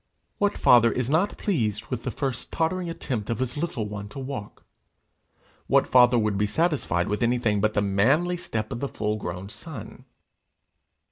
What father is not pleased with the first tottering attempt of his little one to walk? What father would be satisfied with anything but the manly step of the full grown son?